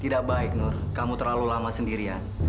tidak baik nur kamu terlalu lama sendirian